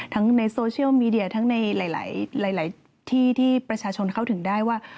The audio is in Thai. ในโซเชียลมีเดียทั้งในหลายที่ที่ประชาชนเข้าถึงได้ว่า